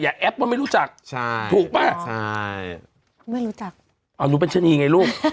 แอปว่าไม่รู้จักใช่ถูกป่ะใช่ไม่รู้จักอ๋อหนูเป็นชะนีไงลูก